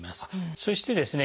そしてですね